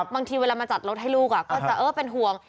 บางทีเวลามาจัดรถให้ลูกก็จะเออเป็นห่วง